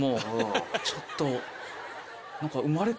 ちょっと何か。